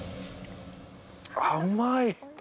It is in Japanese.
甘い！